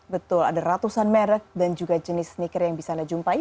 betul ada ratusan merek dan juga jenis sneaker yang bisa anda jumpai